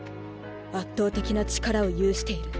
圧倒的な力を有している。